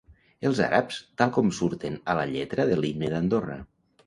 Els àrabs tal com surten a la lletra de l'himne d'Andorra.